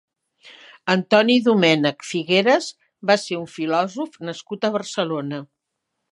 Antoni Domènech Figueras va ser un filòsof nascut a Barcelona.